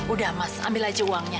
udah mas ambil aja uangnya